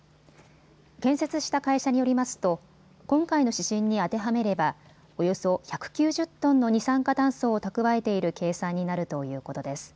建設した会社によりますと今回の指針に当てはめればおよそ１９０トンの二酸化炭素を蓄えている計算になるということです。